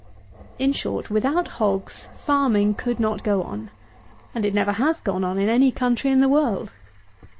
In short, without hogs, farming could not go on; and it never has gone on in any country in the world.